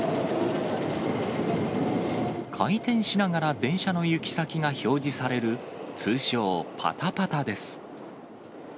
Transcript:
回転しながら電車の行き先が表示される、通称、パタパタです。